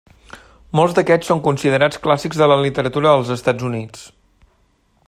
Molts d'aquests són considerats clàssics de la literatura als Estats Units.